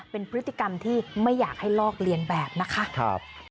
เป็นพฤติกรรมที่ไม่อยากให้ลอกเลียนแบบนะคะ